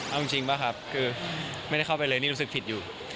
เอาจริงป่ะครับคือไม่ได้เข้าไปเลยนี่รู้สึกผิดอยู่